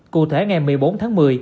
cụ thể ngày một mươi bốn tháng một mươi